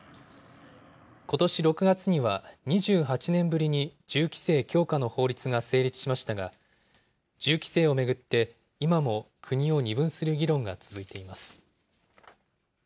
ことし６月には２８年ぶりに銃規制強化の法律が成立しましたが、銃規制を巡って、今も国を二分する議論が続いています。